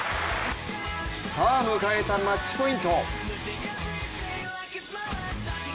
さあ、迎えたマッチポイント。